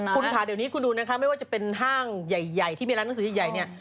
คุณค่ะเดี๋ยวนี้คุณดูนะคะไม่ว่าจะเป็นห้างใหญ่ที่มีร้านหนังสือใหญ่เนี่ย